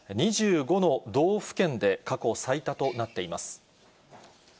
２５の道府県で過去最多となっています。